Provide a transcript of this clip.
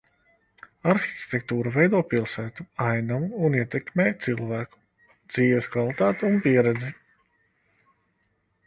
Arhitektūra veido pilsētu ainavu un ietekmē cilvēku dzīves kvalitāti un pieredzi.